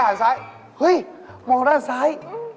เห้ยมองด้านซ้าย